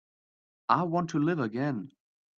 I want to live again.